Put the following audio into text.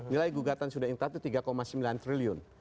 nilai gugatan sudah inkrah itu tiga sembilan triliun